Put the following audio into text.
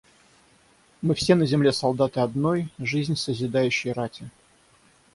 Мы все на земле солдаты одной, жизнь созидающей рати.